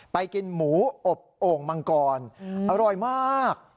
กินหมูอบโอ่งมังกรอร่อยมาก